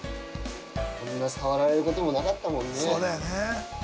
こんな触られることもなかったもんね。